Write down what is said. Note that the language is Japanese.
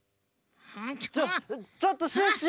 ちょちょっとシュッシュ！